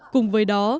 cùng với đó